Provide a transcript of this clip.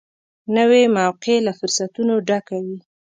نوې موقعه له فرصتونو ډکه وي